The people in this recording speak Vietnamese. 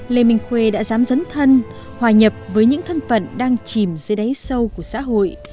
lê minh khuê đã dám dấn thân hòa nhập với những thân phận đang chìm dưới đáy sâu của xã hội